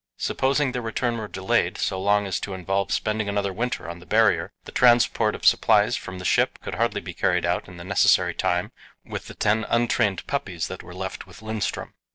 Supposing their return were delayed so long as to involve spending another winter on the Barrier, the transport of supplies from the ship could hardly be carried out in the necessary time with the ten untrained puppies that were left with Lindström.